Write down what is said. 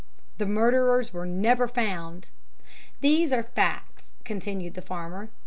The murderers were never found. These are facts," continued the farmer.